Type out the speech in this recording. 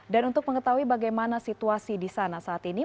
dan untuk mengetahui bagaimana situasi di sana saat ini